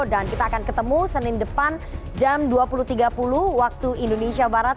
dan kita akan ketemu senin depan jam dua puluh tiga puluh waktu indonesia barat